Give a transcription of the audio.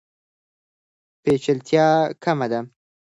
پیچلتیا کمه ده.